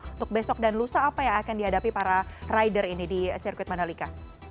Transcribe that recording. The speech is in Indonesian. untuk besok dan lusa apa yang akan dihadapi para rider ini di sirkuit mandalika